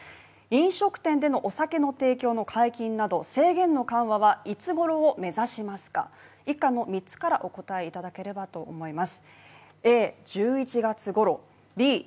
飲食店でのお酒の提供の解禁など制限の緩和はいつごろを目指しますが以下の３つからお答えいただければと思います